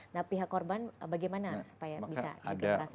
nah pihak korban bagaimana supaya bisa